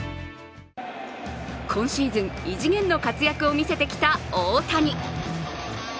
今シーズン、異次元の活躍を見せてきた大谷。